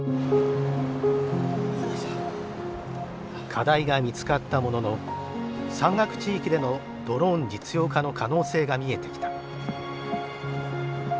課題が見つかったものの山岳地域でのドローン実用化の可能性が見えてきた。